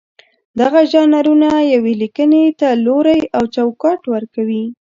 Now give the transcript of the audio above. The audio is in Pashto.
دغه ژانرونه یوې لیکنې ته لوری او چوکاټ ورکوي.